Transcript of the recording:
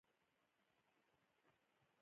دا هيله لرئ چې باور پرې وکړئ.